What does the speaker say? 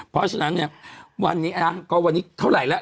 เพราะฉะนั้นเนี่ยวันนี้นะก็วันนี้เท่าไหร่แล้ว